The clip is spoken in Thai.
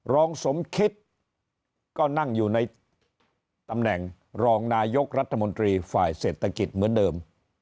รองสมคิดก็นั่งอยู่ในตำแหน่งรองนายกรัฐมนตรีฝ่ายเศรษฐกิจเหมือนเดิม